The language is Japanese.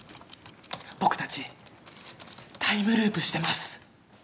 僕たちタイムループしてます。